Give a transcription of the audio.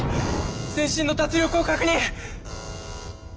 全身の脱力を確認！